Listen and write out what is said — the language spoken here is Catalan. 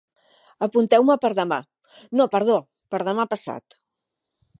Apunteu-me per demà, no, perdó, per demà passat.